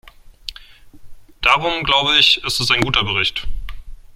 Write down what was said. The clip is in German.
Darum, glaube ich, ist es ein guter Bericht.